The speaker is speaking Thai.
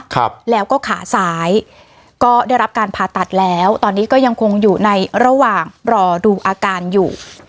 ครับแล้วก็ขาซ้ายก็ได้รับการผ่าตัดแล้วตอนนี้ก็ยังคงอยู่ในระหว่างรอดูอาการอยู่